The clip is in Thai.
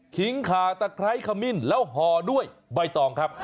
ขาตะไคร้ขมิ้นแล้วห่อด้วยใบตองครับ